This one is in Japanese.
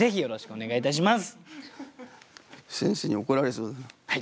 お願いいたします。